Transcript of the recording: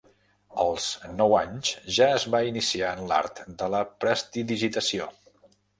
Als nous anys ja es va iniciar en l'art de la prestidigitació.